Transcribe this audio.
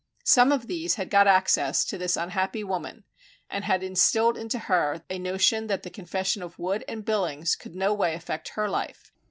Some of these had got access to this unhappy woman, and had instilled into her a notion that the confession of Wood and Billings could no way affect her life.